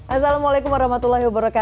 assalamualaikum wr wb